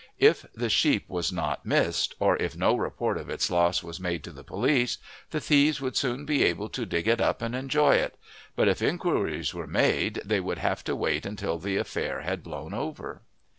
If the sheep was not missed, or if no report of its loss was made to the police, the thieves would soon be able to dig it up and enjoy it; but if inquiries were made they would have to wait until the affair had blown over.